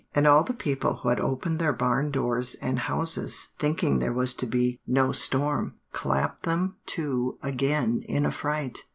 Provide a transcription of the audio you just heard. "And all the people who had opened their barn doors and houses, thinking there was to be no storm, clapped them to again in a fright.